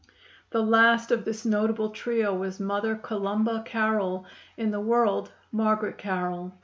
The last of this notable trio was Mother Columba Carroll, in the world Margaret Carroll.